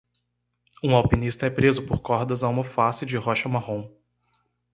Um alpinista é preso por cordas a uma face de rocha marrom.